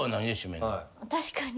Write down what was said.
確かに。